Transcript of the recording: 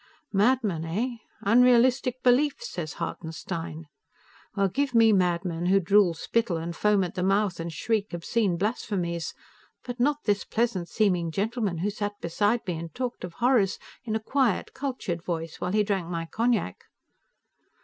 Madman, eh? Unrealistic beliefs, says Hartenstein? Well, give me madmen who drool spittle, and foam at the mouth, and shriek obscene blasphemies. But not this pleasant seeming gentleman who sat beside me and talked of horrors in a quiet, cultured voice, while he drank my cognac.